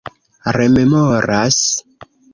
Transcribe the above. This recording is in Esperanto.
rememoras